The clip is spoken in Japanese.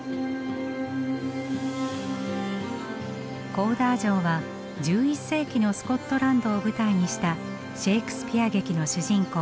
コーダー城は１１世紀のスコットランドを舞台にしたシェークスピア劇の主人公